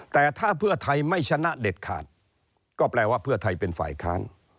แต่ถ้าเพื่อไทยไม่ชนะเด็ดขาดก็แปลว่าเพื่อไทยเป็นฝ่ายค้าน